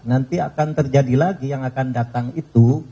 nanti akan terjadi lagi yang akan datang itu